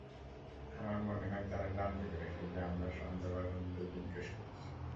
আমার মনে হয় তারা জানতে পেরেছে যে, আমরা সন্দেহভাজনদের জিজ্ঞাসাবাদ করছি।